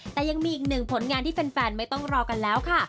แต่ยังมีอีกหนึ่งผลงานที่แฟนไม่ต้องรอกันแล้วค่ะ